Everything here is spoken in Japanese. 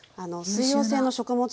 水溶性の食物